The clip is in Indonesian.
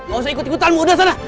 gak usah ikut ikutanmu udah sana